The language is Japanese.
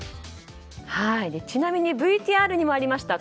ちなみにＶＴＲにもありました